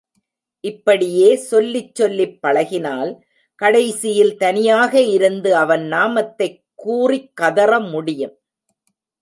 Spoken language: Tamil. இப்படியே சொல்லிச் சொல்லிப் பழகினால் கடைசியில் தனியாக இருந்து அவன் நாமத்தைக் கூறிக் கதற முடியும்.